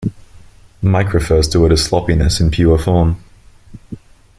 Mike refers to it as sloppiness in pure form.